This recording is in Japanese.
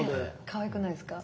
かわいくないですか？